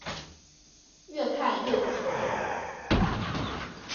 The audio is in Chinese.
越看越起劲